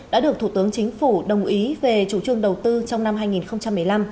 đã được thủ tướng chính phủ đồng ý về chủ trương đầu tư trong năm hai nghìn một mươi năm